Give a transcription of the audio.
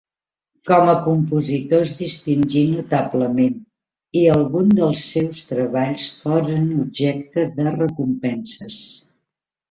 Com a compositor es distingí notablement, i alguns dels seus treballs foren objecte de recompenses.